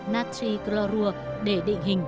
natri glorua để định hình